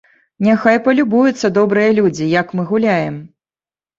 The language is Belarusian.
Няхай палюбуюцца добрыя людзі, як мы гуляем.